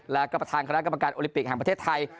แล้วก็ประธานคณะกรรมการโอลิปิกแห่งประเทศไทย